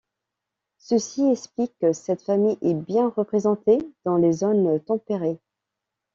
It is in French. Ceci explique que cette famille est bien représentée dans les zones tempérées.